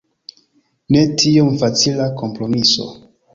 Ne tiom facila kompromiso.